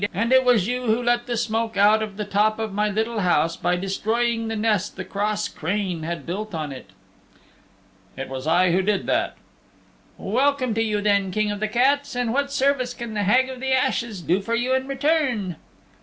And it was you who let the smoke out of the top of my little house by destroying the nest the cross crane had built on it." "It was I who did that." "Welcome to you then, King of the Cats. And what service can the Hag of the Ashes do for you in return?"